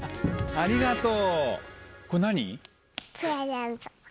ありがとう。